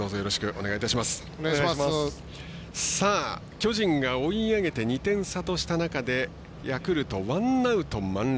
巨人が追い上げて２点差とした中でヤクルト、ワンアウト満塁。